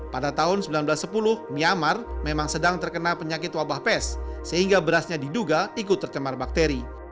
pada tahun seribu sembilan ratus sepuluh myanmar memang sedang terkena penyakit wabah pes sehingga berasnya diduga ikut tercemar bakteri